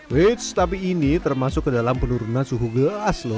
which tapi ini termasuk kedalam penurunan suhu gelas loh